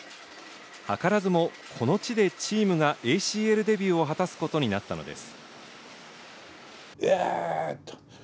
図らずも、この地でチームがＡＣＬデビューを果たすことになったのです。